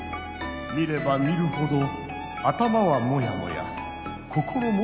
見れば見るほど頭はモヤモヤ心もモヤモヤ。